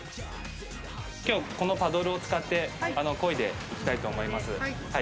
今日はこのパドルを使って、こいでいきたいと思います。